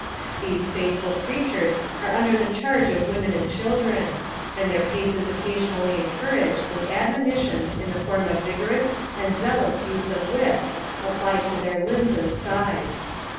These faithful creatures are under the charge of women and children, and their pace is occasionally en couraged with admonitions in the form of vigorous and zealous use of whips applied to their limbs and sides.